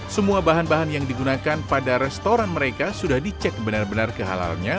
semua bahan bahan yang digunakan pada restoran mereka sudah dicek benar benar kehalalnya